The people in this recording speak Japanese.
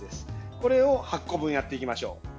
これを８個分やっていきましょう。